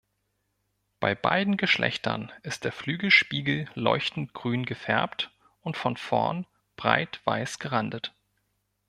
Bei beiden Geschlechtern ist der Flügelspiegel leuchtend grün gefärbt und vorn breit weiß gerandet.